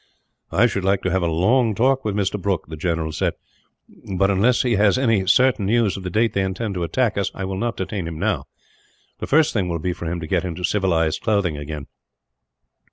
"I should like to have a long talk with Mr. Brooke," the general said; "but unless he has any certain news of the date they intend to attack us, I will not detain him now. The first thing will be for him to get into civilized clothes again.